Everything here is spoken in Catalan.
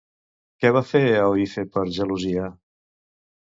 Què va fer Aoife per gelosia?